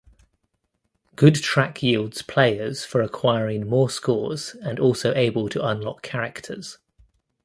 Good track yields players for acquiring more scores and also able to unlock characters.